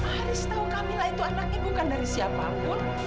haris tahu kamila itu anak ibu kan dari siapapun